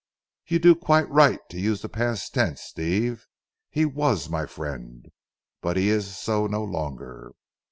"You do quite right to use the past tense Steve. He was my friend, but he is so no longer."